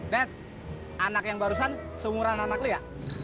nek anak yang barusan seumuran anak lo ya